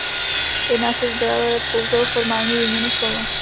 Jedná se zde ale pouze o formální výměnu slova.